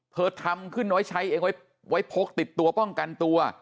ทำขึ้นไว้ใช้เองไว้พกติดตัวป้องกันตัว